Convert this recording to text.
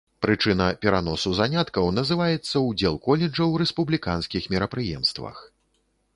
Прычына пераносу заняткаў называецца ўдзел каледжа ў рэспубліканскіх мерапрыемствах.